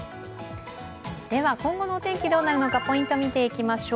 今後のお天気どうなるのかポイント見ていきましょう。